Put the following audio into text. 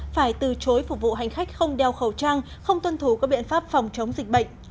phải từ chối phục vụ hành khách không đeo khẩu trang không tuân thủ các biện pháp phòng chống dịch bệnh